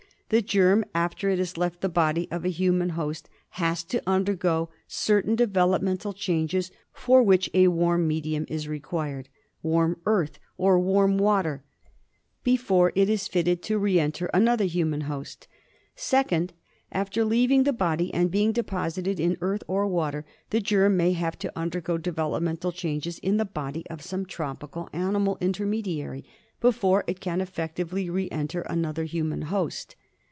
The germ after it has left the body of a human host has to undergo certain developmental changes for which a warm medium is required — warm earth or warm water — before it is fitted to re enter another human host. 2nd. After leaving the body and being deposited in earth or water, the germ may have to undergo develop mental changes in the body of some tropical animal intermediary before it can effectively re enter another human host.